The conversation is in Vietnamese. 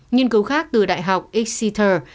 nhiên cứu khác từ đại học exeter